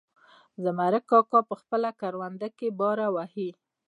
زمرک کاکا په خپله کرونده کې باره وهي.